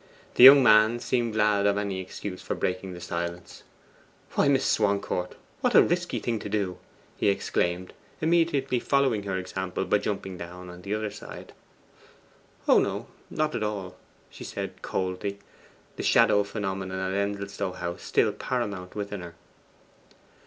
The young man seemed glad of any excuse for breaking the silence. 'Why, Miss Swancourt, what a risky thing to do!' he exclaimed, immediately following her example by jumping down on the other side. 'Oh no, not at all,' replied she coldly; the shadow phenomenon at Endelstow House still paramount within her.